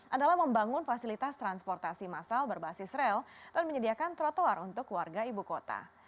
adalah membangun fasilitas transportasi massal berbasis rel dan menyediakan trotoar untuk warga ibu kota